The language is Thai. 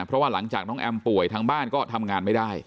เพราะว่าหลังจากน้องแอมป่วยทางบ้านก็ทำงานไม่ได้